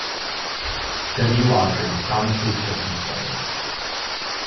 W. Awdry, "Thomas' Christmas Party".